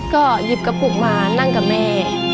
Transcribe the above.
ก็หยิบกระปุกมานั่งกับแม่